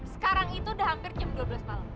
sekarang itu udah hampir jam dua belas malam